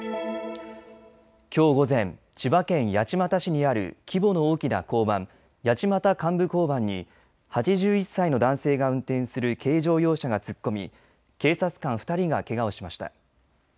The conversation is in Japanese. きょう午前、千葉県八街市にある規模の大きな交番、八街幹部交番に８１歳の男性が運転する軽乗用車が突っ込み警察官２人がけがをしました。